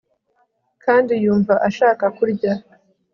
kandi yumva ashaka kurya